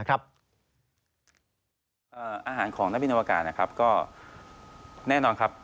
อาหารของนักบินอวกาศก็แน่นอนครับ